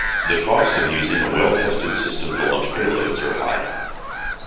The costs of using a well-tested system to launch payloads are high.